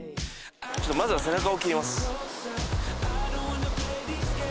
ちょっとまずは背中を切ります